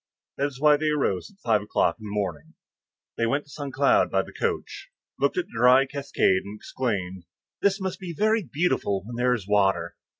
That is why they rose at five o'clock in the morning. Then they went to Saint Cloud by the coach, looked at the dry cascade and exclaimed, "This must be very beautiful when there is water!"